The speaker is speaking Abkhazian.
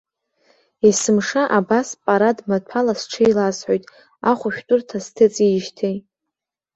Есымша абас парад маҭәала сҽеиласҳәоит ахәшәтәырҭа сҭыҵиижьҭеи.